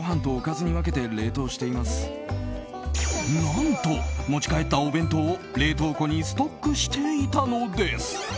何と持ち帰ったお弁当を冷凍庫にストックしていたのです。